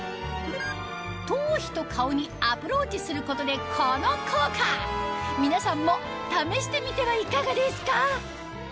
頭皮と顔にアプローチすることでこの効果皆さんも試してみてはいかがですか？